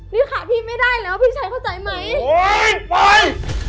นี่ค่ะพี่ไม่ได้แล้วพี่ชัยเข้าใจไหมโอ๊ยปอย